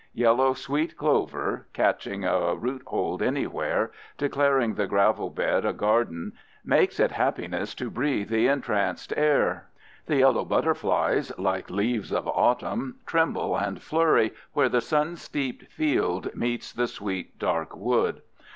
Yellow sweet clover, catching a roothold anywhere, declaring the gravel bed a garden, makes it happiness to breathe the entranced air. The yellow butterflies, like leaves of autumn, tremble and flurry where the sun steeped field meets the sweet dark wood.